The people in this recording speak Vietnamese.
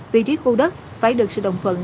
vị trí khu đất phải được sự đồng phận